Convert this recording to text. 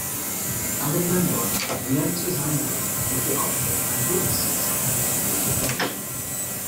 Agamemnon re-enters angry with the uproar and witnesses Hecuba's revenge.